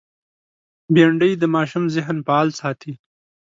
بېنډۍ د ماشوم ذهن فعال ساتي